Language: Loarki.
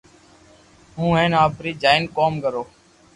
ھون ھين آپري جائين ڪوم ڪرو